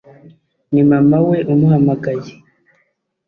ni mama we umuhamagaye